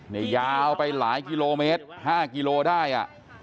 นี่ยาวไปหลายกิโลเมตร๕กิโลได้